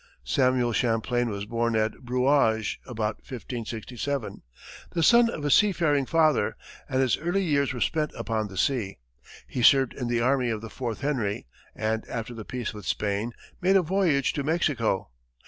Samuel Champlain was born at Brouage about 1567, the son of a sea faring father, and his early years were spent upon the sea. He served in the army of the Fourth Henry, and after the peace with Spain, made a voyage to Mexico.